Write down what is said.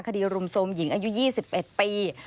คดีรุมโทรมหญิงอายุ๒๑ปี